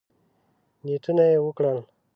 نیتونه یې وکړل.